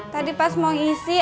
tadi pas mau isi